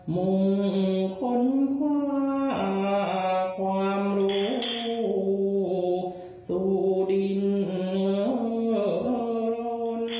มงคลคว้าความรู้สู่ดิน